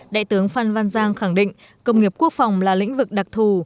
đại tướng phan văn giang khẳng định công nghiệp quốc phòng là lĩnh vực đặc thù